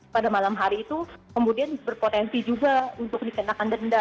pada malam hari itu kemudian berpotensi juga untuk dikenakan denda